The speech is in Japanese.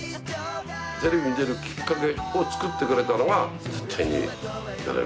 テレビに出るきっかけを作ってくれたのが。